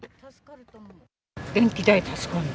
電気代助かるの。